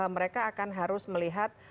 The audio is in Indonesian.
mereka akan harus melihat